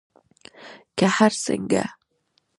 که هر څنګه